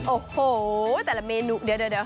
โอ้โหแต่ละเมนูเดี๋ยว